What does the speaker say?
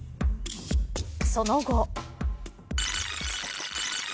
その後。